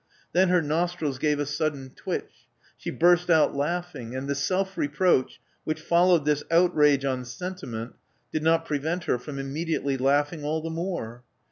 Then her nostrils gave a sudden twitch; she burst out laughing; and the self reproach which followed this outrage on senti ment did not prevent her from immediately laughing all the more.